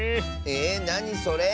えなにそれ。